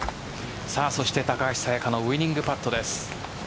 そして、高橋彩華のウイニングパットです。